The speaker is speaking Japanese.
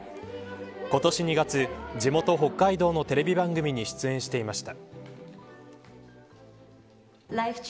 今年２月地元、北海道のテレビ番組に出演していました。